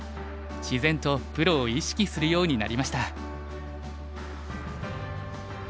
自然とプロを意識するようになりました。